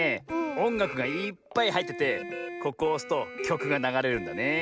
おんがくがいっぱいはいっててここをおすときょくがながれるんだねえ。